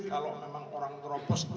kalau memang orang terobos